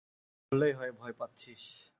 বললেই হয় ভয় পাচ্ছিস!